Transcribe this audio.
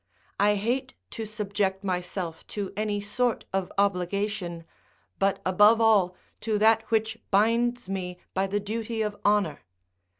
I hate to subject myself to any sort of obligation, but above all, to that which binds me by the duty of honour.